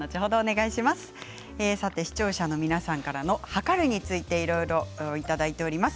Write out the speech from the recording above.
視聴者の皆さんからのはかるについていろいろいただいてます。